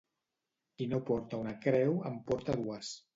Qui no porta una creu, en porta dues.